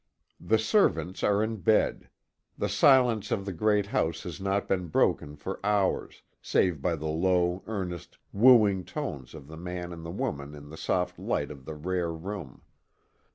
The servants are in bed; the silence of the great house has not been broken for hours, save by the low, earnest, wooing tones of the man and woman in the soft light of the rare room.